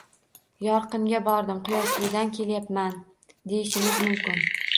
Yorqinga bordim, Quyoshlidan kelyapman, deyishimiz mumkin